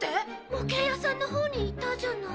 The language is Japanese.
模型屋さんのほうにいたじゃない。